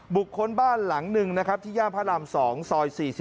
คนบ้านหลังหนึ่งนะครับที่ย่านพระราม๒ซอย๔๔